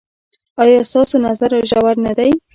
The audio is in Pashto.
ایا ستاسو نظر ژور نه دی؟